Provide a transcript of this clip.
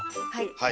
はい。